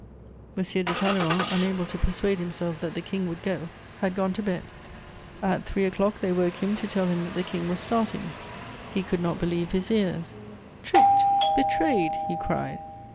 M. de Talleyrand, unable to persuade himself that the King would go, had gone to bed: at three o'clock they woke him to tell him that the King was starting; he could not believe his ears: "Tricked! Betrayed!" he cried.